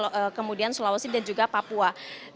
ada kalimantan kemudian sulawesi dan juga papua